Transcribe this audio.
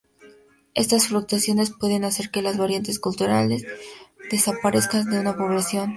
Estas fluctuaciones pueden hacer que las variantes culturales desaparezcan de una población.